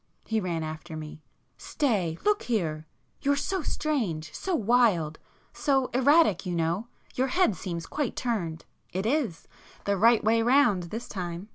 He ran after me. "Stay,—look here! You're so strange, so wild—so erratic you know! Your head seems quite turned!" "It is! The right way round this time!"